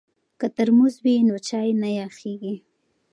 که ترموز وي نو چای نه یخیږي.